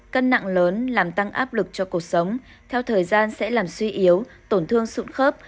cân nặng lớn làm tăng áp lực cho cuộc sống theo thời gian sẽ làm suy yếu tổn thương sụn khớp